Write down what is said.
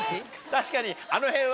確かにあの辺は。